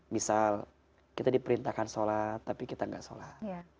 misal kita diperintahkan sholat tapi kita nggak sholat